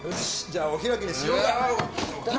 じゃあお開きにしようか。